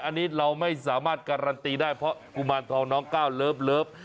อันนี้เราไม่สามารถการันตีได้เพราะกุมารทองน้องก้าวเลิฟ